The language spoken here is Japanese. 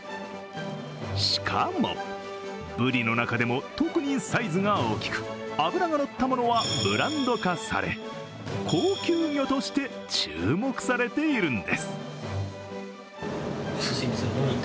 しかも、ぶりの中でも特にサイズが大きく脂がのったものは、ブランド化され高級魚として注目されているんです。